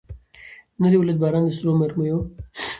نه دي ولیدی باران د سرو مرمیو